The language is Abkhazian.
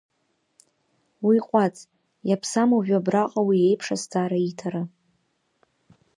Уиҟәаҵ, иаԥсам уажәы абраҟа уи еиԥш азҵаара иҭара…